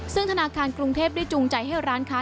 ซึ่งธนาคารกรุงเทพได้จูงใจให้ร้านค้า